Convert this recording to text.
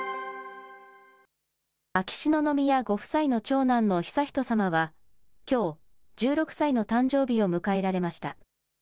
秋篠宮ご夫妻の長男の悠仁さまはきょう、１６歳の誕生日を迎えられました。